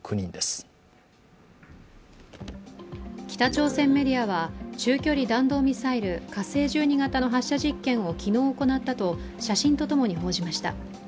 北朝鮮メディアは、中距離弾道ミサイル火星１２型の発射実験を昨日行ったと写真とともに報じました。